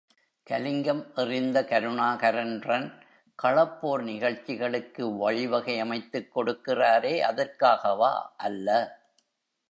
கலிங்கம் எறிந்த கருணாகரன்றன் களப்போர் நிகழ்ச்சிகளுக்கு வழிவகை அமைத்துக் கொடுக்கிறாரே, அதற்காகவா? அல்ல!...